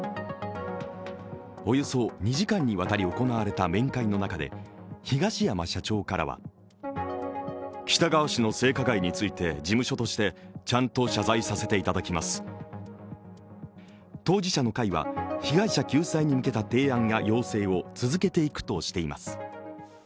およそ２時間にわたり行われた面会の中で東山社長からは当事者の会は被害者救済に向けた提案や要請を続けていくとしています。